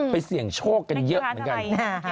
เสี่ยงโชคกันเยอะเหมือนกัน